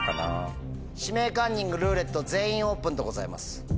「指名カンニング」「ルーレット」「全員オープン」でございます。